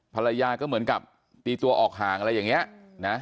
ภรรยาก็เหมือนกับตีตัวออกห่างอะไรอย่างนี้นะ